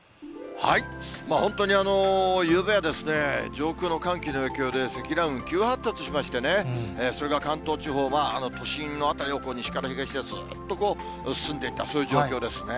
本当にゆうべは、上空の寒気の影響で、積乱雲、急発達しましてね、それが関東地方は都心の辺りを西から東へすーっと進んでいった、そういう状況ですね。